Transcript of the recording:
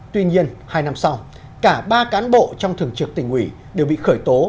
tuy nhiên hai năm sau cả ba cán bộ trong thường trực tỉnh ủy đều bị khởi tố